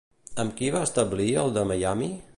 Amb qui va establir el de Miami?